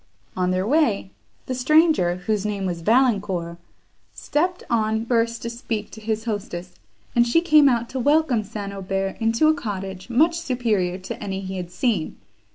On their way, the stranger, whose name was Valancourt, stepped on first to speak to his hostess, and she came out to welcome St. Aubert into a cottage, much superior to any he had seen.